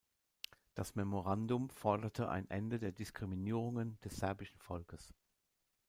Das Memorandum forderte ein Ende der „Diskriminierungen des serbischen Volkes“.